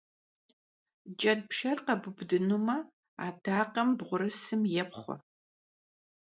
Ced pşşer khebubıdınume, adakhem bğurısım yêpxhue.